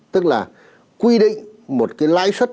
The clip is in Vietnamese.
tức là quy định một cái lãi suất